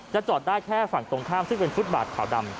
จอดได้แค่ฝั่งตรงข้ามซึ่งเป็นฟุตบาทขาวดำ